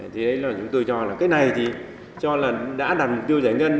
thế đấy là chúng tôi cho là cái này thì cho là đã đặt tiêu giải ngân